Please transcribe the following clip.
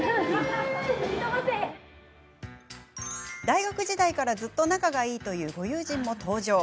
大学時代からずっと仲がいい友人も登場。